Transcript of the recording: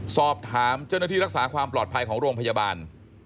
สอบถามเจ้าหน้าที่รักษาความปลอดภัยของโรงพยาบาล